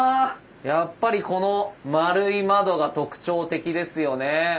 やっぱりこの円い窓が特徴的ですよね。